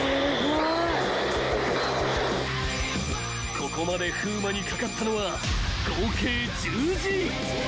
［ここまで風磨にかかったのは合計１０Ｇ］